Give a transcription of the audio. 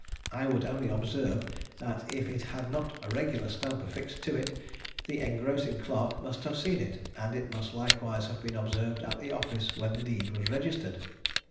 I would only observe that if it had not had a regular stamp affixed to it, the engrossing clerk must have seen it, and it must likewise have been observed at the office when the deed was registered.